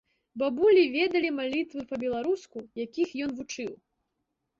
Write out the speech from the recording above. Бабулі ведалі малітвы па-беларуску, якіх ён вучыў.